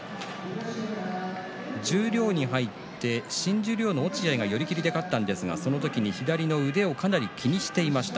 十両に入って新十両の落合が寄り切りで勝ったんですがその時に左の腕をかなり気にしていました。